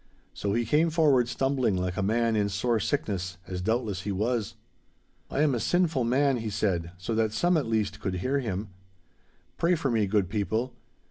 So he came forward stumbling like a man in sore sickness, as doubtless he was. 'I am a sinful man,' he said, so that some, at least, could hear him. 'Pray for me, good people.